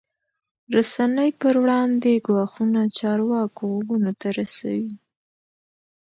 رسنۍ پر وړاندې ګواښونه چارواکو غوږونو ته رسوي.